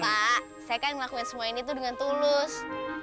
pak saya kan ngelakuin semua ini tuh dengan tulus